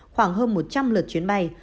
khoảng hơn một trăm linh lượt chuyến bay